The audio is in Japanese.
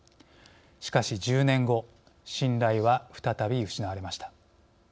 しかし、１０年後信頼は再び失われました。